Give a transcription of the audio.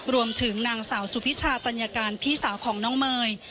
รวมถึงนางสาวสุพิชาตัญญาการพี่สาวของน้องเมย์